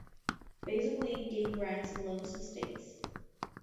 Basically, it gave grants and loans to states.